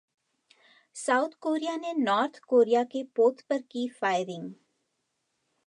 south Korea ने North Korea के पोत पर की फायरिंग